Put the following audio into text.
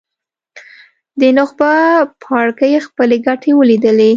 د نخبه پاړکي خپلې ګټې ولیدلې.